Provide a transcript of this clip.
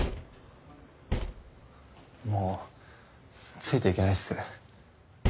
もうついていけないっす。